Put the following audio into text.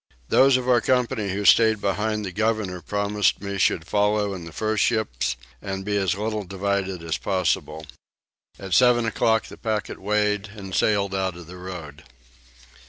Those of our company who stayed behind the governor promised me should follow in the first ships and be as little divided as possible. At 7 o'clock the packet weighed and sailed out of the road.